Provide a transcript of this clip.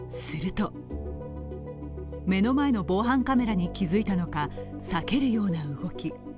すると目の前の防犯カメラに気づいたのか、避けるような動き。